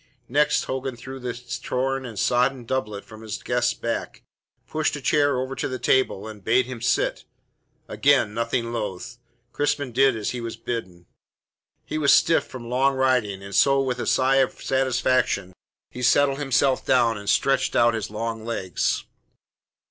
Next Hogan drew the torn and sodden doublet from his guest's back, pushed a chair over to the table, and bade him sit. Again, nothing loath, Crispin did as he was bidden. He was stiff from long riding, and so with a sigh of satisfaction he settled himself down and stretched out his long legs.